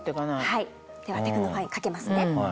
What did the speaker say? ではテクノファインかけますね。